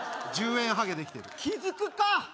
１０円ハゲできてる気づくか！